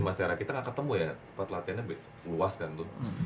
mas tera kita gak ketemu ya saat latihannya luas kan tuh